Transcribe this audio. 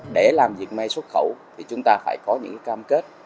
để làm diệt may xuất khẩu thì chúng ta phải có những cam kết